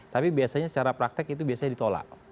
tapi biasanya secara praktek itu biasanya ditolak